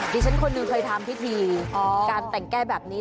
ดิฉันคนหนึ่งเคยทำพิธีการแต่งแก้แบบนี้